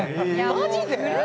マジで？